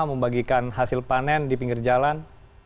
membagikan hasil panen di pinggir jalan